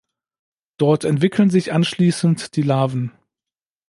Dort entwickeln sich anschließend die Larven.